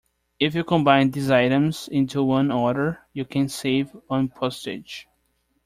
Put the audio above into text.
If you combine these items into one order, you can save on postage.